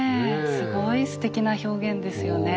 すごいすてきな表現ですよね。